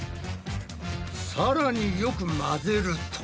さらによく混ぜると。